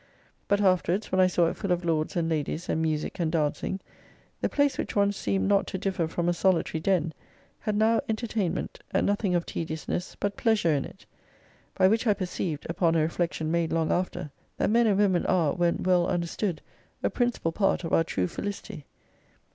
But afterwards, when I saw it full of lords and ladies, and music and dancing, the place which once seemed not to differ from a solitary den, had now entertainment, and nothing of tediousness but pleasure in it. By which I perceived (upon a reflection made long after) that men and women are when well understood a principal part of our true felicity.